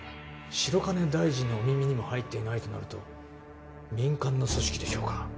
白金大臣のお耳にも入っていないとなると民間の組織でしょうか？